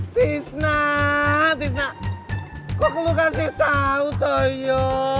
tisna tisna kok lo kasih tau toh ya